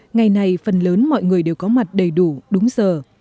ngày này phần lớn mọi người đều có mặt đầy đủ đúng giờ